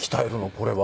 これは。